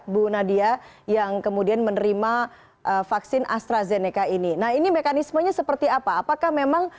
bu nadia yang kemudian menerima vaksin astrazeneca ini nah ini mekanismenya seperti apa apakah memang